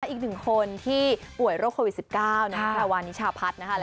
อีกหนึ่งคนที่ป่วยโรคโควิด๑๙น้องราวานิชาพัฒน์นะคะ